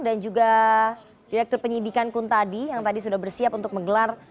dan juga direktur penyidikan kuntadi yang tadi sudah bersiap untuk menggelar